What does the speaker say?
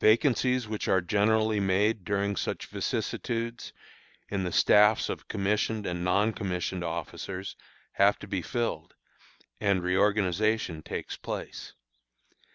Vacancies which are generally made during such vicissitudes, in the staffs of commissioned and non commissioned officers, have to be filled, and reorganization takes place.